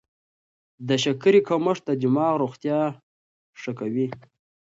د شکرې کمښت د دماغ روغتیا ښه کوي.